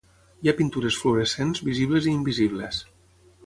Hi ha pintures fluorescents visibles i invisibles.